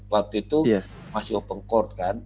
waktu itu masih open court kan